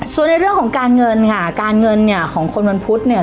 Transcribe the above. ส่วนในเรื่องของการเงินค่ะการเงินเนี่ยของคนวันพุธเนี่ย